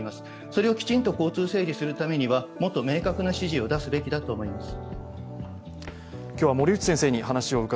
それをきちんと交通整理するためにはもっと明確な指示を出すべきだと思います。